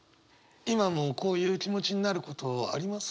今もこういう気持ちになることあります？